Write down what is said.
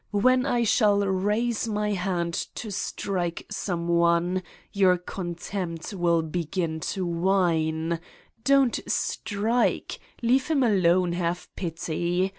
When I shall raise my Hand to strike some one, your contempt will begin to whine: don't strike, leave him alone, have pity.